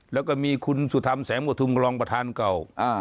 แล้วก็มีคุณสุธรรมแสงกระทุมรองประธานเก่า